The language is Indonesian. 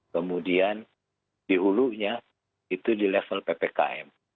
kemudian di hulunya itu di level ppkm